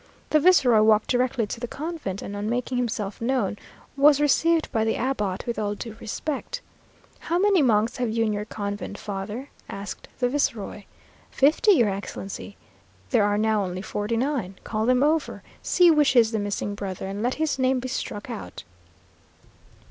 The viceroy walked directly to the convent; and on making himself known, was received by the abbot with all due respect. "How many monks have you in your convent, father?" asked the viceroy. "Fifty, your Excellency." "There are now only forty nine. Call them over, see which is the missing brother, and let his name be struck out."